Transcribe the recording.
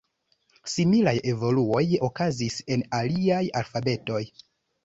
Similaj evoluoj okazis en aliaj alfabetoj.